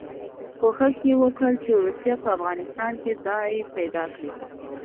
کوښښ یې وکړ چې روسیه په افغانستان کې ځای پیدا کړي.